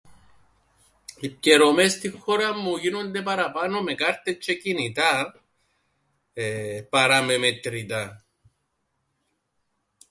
Οι πκιερωμές στην χώραν μου γίνουνται παραπάνω με κάρτες τζ̆αι κινητά εεε... παρά με μετρητά.